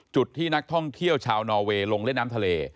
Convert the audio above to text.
จุดที่นักท่องเที่ยวชาวนอเวย์ลงเล่นน้ำทะเล